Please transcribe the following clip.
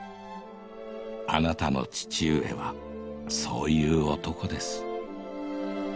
あなたの父上はそういう男です。